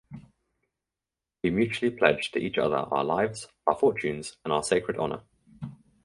we mutually pledge to each other our Lives, our Fortunes and our sacred Honor.